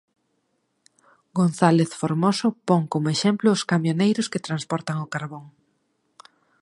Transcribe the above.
González Formoso pon como exemplo os camioneiros que transportan o carbón.